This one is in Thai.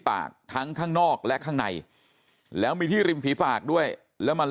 ปากทั้งข้างนอกและข้างในแล้วมีที่ริมฝีปากด้วยแล้วมัน